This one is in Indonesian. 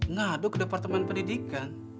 ngaduk ke departemen pendidikan